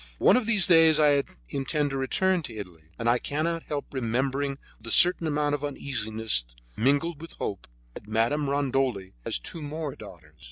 One of these days I intend to return to Italy, and I cannot help remembering with a certain amount of uneasiness, mingled with hope, that Madame Rondoli has two more daughters.